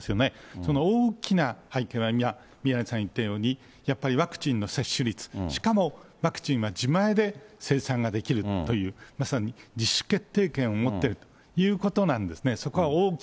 その大きな背景は、宮根さん言ったように、やっぱりワクチンの接種率、しかもワクチンは自前で生産ができるという、まさに自主決定権を持っているということなんですね。